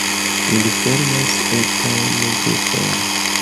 Ili formas etajn grupojn.